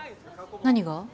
何が？